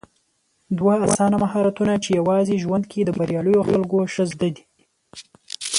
دوه اسانه مهارتونه چې يوازې ژوند کې د برياليو خلکو ښه زده دي